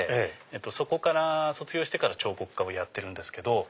そこから卒業してから彫刻家をやってるんですけど。